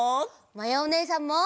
まやおねえさんも！